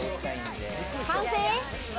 完成？